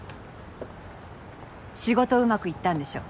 仕事うまくいったんでしょ？